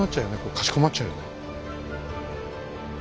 かしこまっちゃうよね。